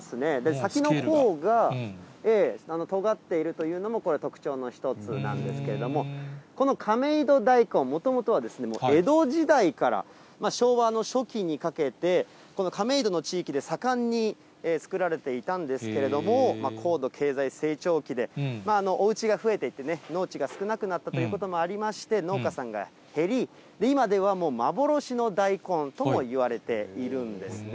先のほうがとがっているというのもこれ、特徴の一つなんですけれども、この亀戸大根、もともとは江戸時代から昭和の初期にかけて、この亀戸の地域で盛んに作られていたんですけれども、高度経済成長期で、おうちが増えていって、農地が少なくなったということもありまして、農家さんが減り、今ではもう、幻の大根ともいわれているんですね。